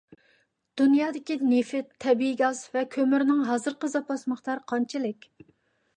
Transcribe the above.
دۇنيادىكى نېفىت، تەبىئىي گاز ۋە كۆمۈرنىڭ ھازىرقى زاپاس مىقدارى قانچىلىك؟